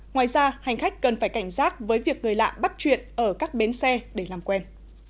ngoài ra hành khách cần phải cảnh giác với việc người lạ bắt chuyện ở các bến xe để làm quen